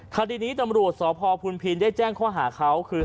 คดีนี้ตำรวจสพพุนพินได้แจ้งข้อหาเขาคือ